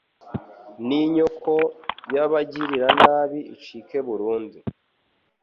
n’inyoko y’abagiranabi icike burundu